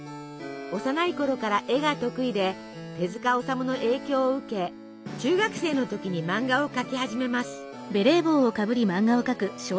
幼いころから絵が得意で手治虫の影響を受け中学生の時に漫画を描き始めます。